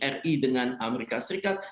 ri dengan amerika serikat